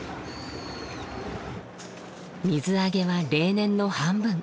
水揚げは例年の半分。